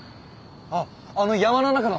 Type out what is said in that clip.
あっあの山の中の。